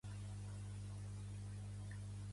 Com és la ruta entre Värska i Ulitina?